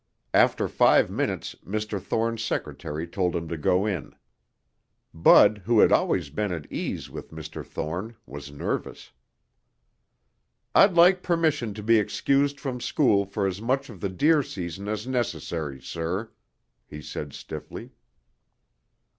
After five minutes Mr. Thorne's secretary told him to go in. Bud, who had always been at ease with Mr. Thorne, was nervous. "I'd like permission to be excused from school for as much of the deer season as necessary, sir," he said stiffly.